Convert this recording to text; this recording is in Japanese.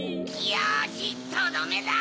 よしとどめだ！